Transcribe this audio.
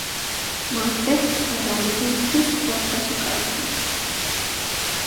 ماتحت عدالتیں کس خوف کا شکار تھیں؟